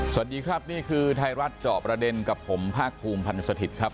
สวัสดีครับนี่คือไทยรัฐเจาะประเด็นกับผมภาคภูมิพันธ์สถิตย์ครับ